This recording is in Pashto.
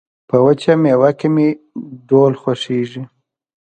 په وچه مېوه کې مې ډول خوښيږي